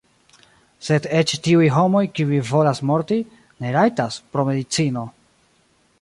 Sed eĉ tiuj homoj, kiuj volas morti, ne rajtas, pro medicino.